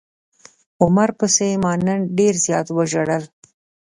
عمر پسې ما نن ډير زيات وژړل.